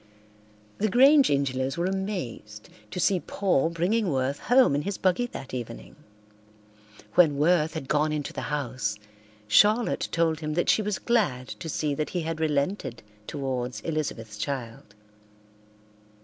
The Grange Ingelows were amazed to see Paul bringing Worth home in his buggy that evening. When Worth had gone into the house Charlotte told him that she was glad to see that he had relented towards Elizabeth's child.